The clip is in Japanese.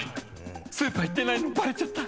スーパー行ってないのバレちゃった。